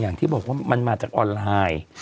อย่างที่บอกว่ามันมาจากออนไลน์